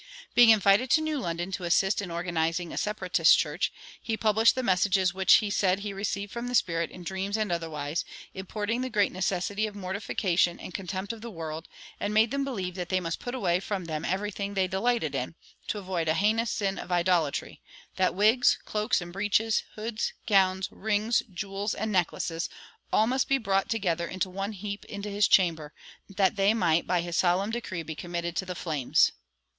Being invited to New London to assist in organizing a Separatist church, he "published the messages which he said he received from the Spirit in dreams and otherwise, importing the great necessity of mortification and contempt of the world; and made them believe that they must put away from them everything that they delighted in, to avoid the heinous sin of idolatry that wigs, cloaks and breeches, hoods, gowns, rings, jewels, and necklaces, must be all brought together into one heap into his chamber, that they might by his solemn decree be committed to the flames."